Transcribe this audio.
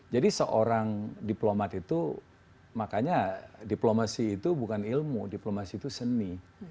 jadi seorang diplomat itu makanya diplomasi itu bukan ilmu diplomasi itu seni